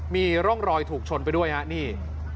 มีร่องรอยถูกชนไปด้วยฮะนี่